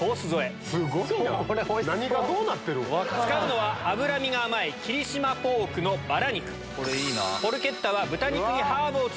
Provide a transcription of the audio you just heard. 使うのは脂身が甘い霧島ポークのバラ肉。